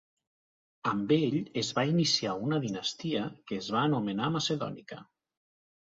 Amb ell es va iniciar una dinastia que es va anomenar macedònica.